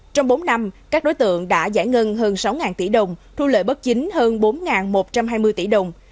trong bốn năm các đối tượng đã giải ngân hơn sáu tỷ đồng thu lợi bất chính hơn bốn một trăm hai mươi tỷ đồng